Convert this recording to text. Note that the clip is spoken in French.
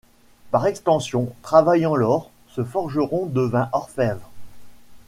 Par extension, travaillant l’or ce forgeron devint orfèvre.